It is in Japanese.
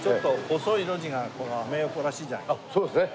そうですね。